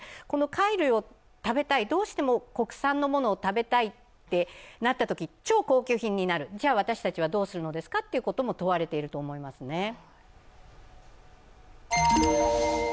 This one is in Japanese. この貝類を食べたい、どうしても国産のものを食べたいってなったとき超高級品になる、じゃ私たちはどうするんですかと問われていると思いますね。